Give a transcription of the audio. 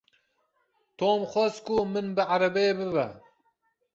Tom xwest ku min bi erebeyê bibe.